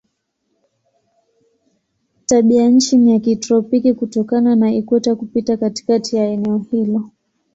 Tabianchi ni ya kitropiki kutokana na ikweta kupita katikati ya eneo hilo.